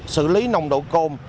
xử lý nồng độ côn